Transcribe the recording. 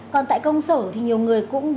còn tại công sổ thì nhiều người cũng đã hưởng ứng